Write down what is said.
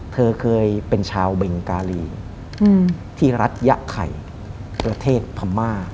เธอเคยเป็นชาวเบงการีที่รัฐยะไข่ประเทศพม่า